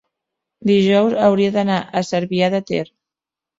dijous hauria d'anar a Cervià de Ter.